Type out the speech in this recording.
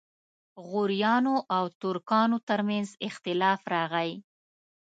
غوریانو او ترکانو ترمنځ اختلاف راغی.